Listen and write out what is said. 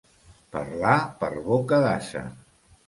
Parlar per boca d'ase.